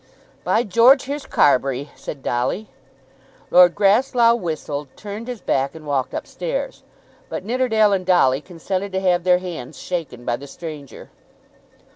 "By George, here's Carbury!" said Dolly. Lord Grasslough whistled, turned his back, and walked up stairs; but Nidderdale and Dolly consented to have their hands shaken by the stranger.